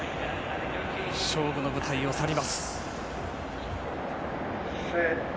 勝負の舞台を去ります。